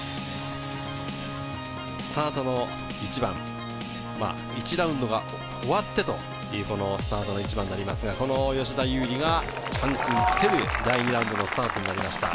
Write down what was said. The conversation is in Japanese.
スタートの１番、１ラウンドが終わってというスタートの１番になりますが、吉田優利がチャンスにつける第２ラウンドのスタートを切りました。